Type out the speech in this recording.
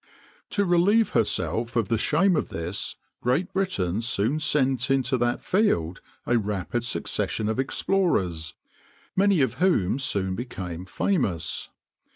To relieve herself of the shame of this Great Britain soon sent into that field a rapid succession of explorers, many of whom soon became famous.